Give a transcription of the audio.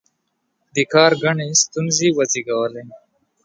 دې کار ګڼې ستونزې وزېږولې.